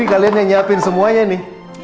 ini kalian yang menyiapkan semuanya ini